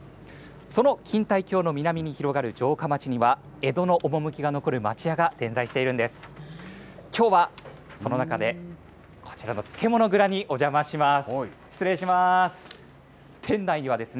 その錦帯橋の南に広がる城下町には、江戸の趣が残る町家が点在しているんです。